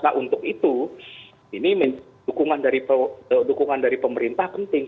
nah untuk itu ini dukungan dari pemerintah penting